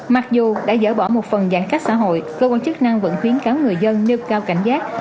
mặc dù đã dỡ bỏ một phần giãn cách xã hội cơ quan chức năng vẫn khuyến cáo người dân nêu cao cảnh giác